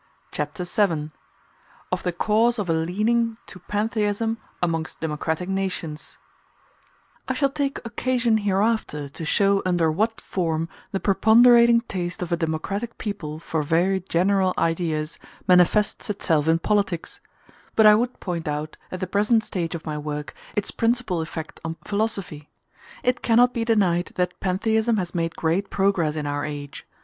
Chapter VII: Of The Cause Of A Leaning To Pantheism Amongst Democratic Nations I shall take occasion hereafter to show under what form the preponderating taste of a democratic people for very general ideas manifests itself in politics; but I would point out, at the present stage of my work, its principal effect on philosophy. It cannot be denied that pantheism has made great progress in our age.